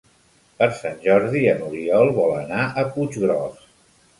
Per Sant Jordi n'Oriol vol anar a Puiggròs.